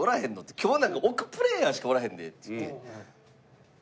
「今日なんか億プレーヤーしかおらへんで」って言って。